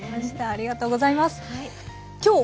ありがとうございます。